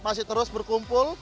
masih terus berkumpul